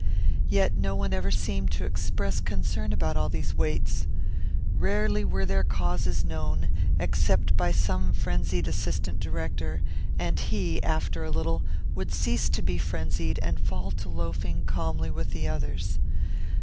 Yet no one ever seemed to express concern about these waits. Rarely were their causes known, except by some frenzied assistant director, and he, after a little, would cease to be frenzied and fall to loafing calmly with the others.